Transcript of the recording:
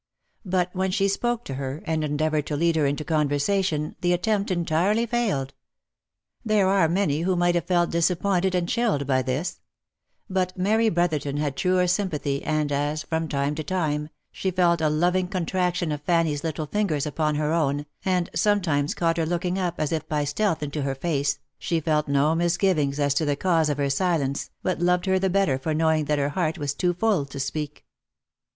But when she spoke to her, and endeavoured to lead her into conversation, the attempt entirely failed. There are many who might have felt disappointed and chilled by this ; but Mary Brotherton had truer sym pathy, and as, from time to time, she felt a loving contraction of Fanny's little fingers upon her own, and sometimes caught her looking up, as if by stealth into her face, she felt no misgivings as to the cause of her silence, but loved her the better from knowing that her heart was too full to speak.